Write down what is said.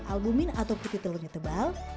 albumin atau putih telurnya tebal